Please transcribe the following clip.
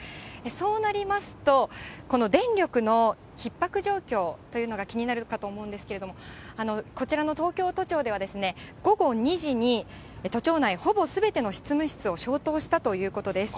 そうなりますと、この電力のひっ迫状況というのが気になるかと思いますけれども、こちらの東京都庁では、午後２時に都庁内、ほぼすべての執務室を消灯したということです。